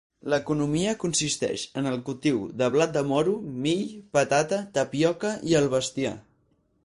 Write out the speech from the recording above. L'economia consisteix en el cultiu del blat de moro, mill, patata, tapioca i el bestiar.